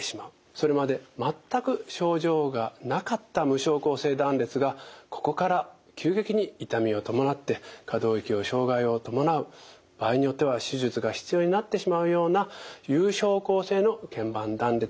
それまで全く症状がなかった無症候性断裂がここから急激に痛みを伴って可動域を障害を伴う場合によっては手術が必要になってしまうような有症候性のけん板断裂になってしまうこともあります。